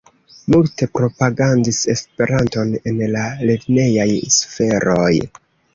Multe propagandis Esperanton en la lernejaj sferoj.